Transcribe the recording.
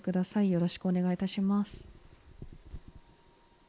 よろしくお願いします。